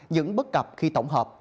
những bất cập khi tổng hợp